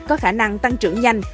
có khả năng tăng trưởng nhanh